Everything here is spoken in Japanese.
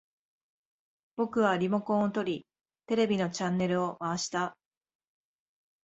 僕はリモコンを取り、テレビのチャンネルを回した